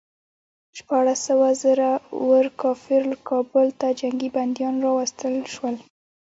شپاړس سوه زړه ور کافر کابل ته جنګي بندیان راوستل شول.